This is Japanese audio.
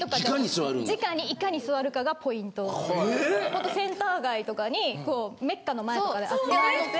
ほんとセンター街とかにメッカの前とかで集まって。